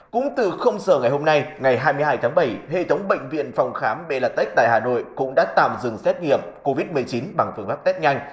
cũng từ giờ ngày hôm nay ngày hai mươi hai tháng bảy hệ thống bệnh viện phòng khám belatech tại hà nội cũng đã tạm dừng xét nghiệm covid một mươi chín bằng phương pháp test nhanh